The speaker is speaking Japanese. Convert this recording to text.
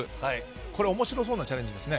これ面白そうなチャレンジですね。